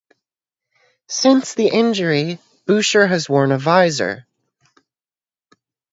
Since the injury, Boucher has worn a visor.